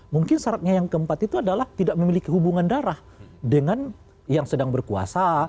mungkin syaratnya yang keempat itu adalah tidak memiliki hubungan darah dengan yang sedang berkuasa